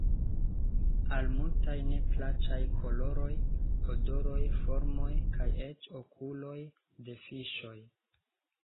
Al multaj ne plaĉas koloroj, odoroj, formoj kaj eĉ okuloj de fiŝoj.